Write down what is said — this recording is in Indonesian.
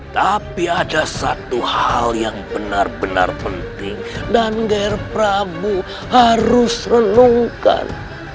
tapi ada satu hal yang benar benar penting dan ger prabu harus renungkan